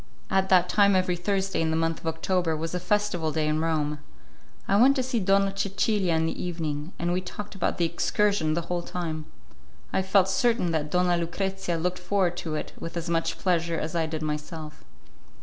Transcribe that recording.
At that time every Thursday in the month of October was a festival day in Rome. I went to see Donna Cecilia in the evening, and we talked about the excursion the whole time. I felt certain that Donna Lucrezia looked forward to it with as much pleasure as I did myself.